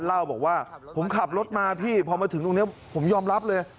เล่าบอกว่าผมขับรถมาพี่พอมาถึงตรงนี้ผมยอมรับเลย